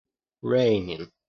Raining.